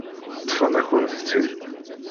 Ṭṭfen-akent-tt-id.